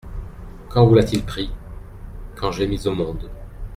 «Quand vous l'a-t-il pris ? Quand je l'ai mis au monde.